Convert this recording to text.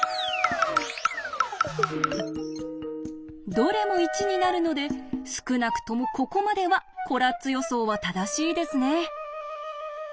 どれも１になるので少なくともここまではコラッツ予想は正しいですね。